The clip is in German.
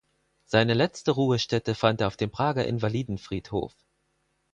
Seine letzte Ruhestätte fand er auf dem Prager Invalidenfriedhof.